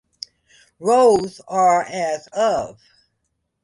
Rolls are as of